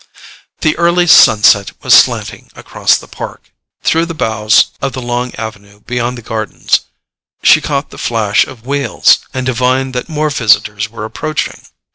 The early sunset was slanting across the park. Through the boughs of the long avenue beyond the gardens she caught the flash of wheels, and divined that more visitors were approaching.